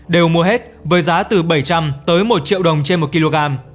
đều mua hết với giá từ bảy trăm linh tới một triệu đồng trên một kg